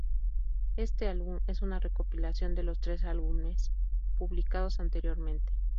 Este álbum es una recopilación de los tres álbumes publicados anteriormente.